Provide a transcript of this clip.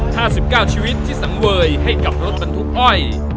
ห้าสิบเก้าชีวิตที่สังเวยให้กับรถบรรทุกอ้อย